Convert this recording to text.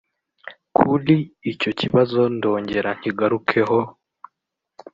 Kuli icyo kibazo ndongera nkigarukeho